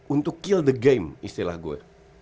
untuk kill the game istilah gue